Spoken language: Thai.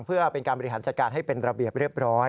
เพื่อเป็นการบริหารจัดการให้เป็นระเบียบเรียบร้อย